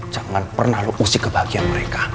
jangan pernah lu usik kebahagiaan mereka